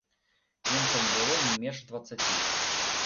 Немцаў было не менш дваццаці.